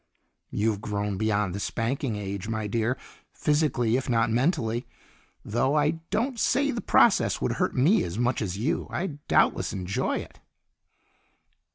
"You've grown beyond the spanking age, my dear. Physically, if not mentally though I don't say the process would hurt me as much as you. I'd doubtless enjoy it."